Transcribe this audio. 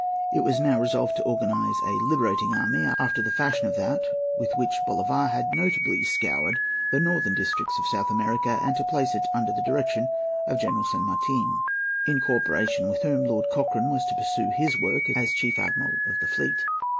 It was now resolved to organize a Liberating Army, after the fashion of that with which Bolivar had nobly scoured the northern districts of South America, and to place it under the direction of General San Martin, in co operation with whom Lord Cochrane was to pursue his work as chief admiral of the fleet.